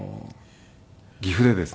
岐阜でですね